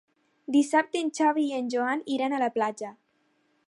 Dissabte en Xavi i en Joan iran a la platja.